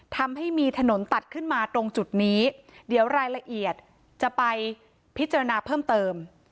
ทำให้มีถนนตัดขึ้นมาตรงจุดนี้เดี๋ยวรายละเอียดจะไปพิจารณาเพิ่มเติม